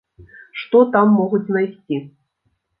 Што там могуць знайсці?